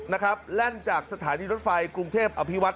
นะครับแล่นจากศรษฐานรถไฟกรุงเทพย์อภิวัตร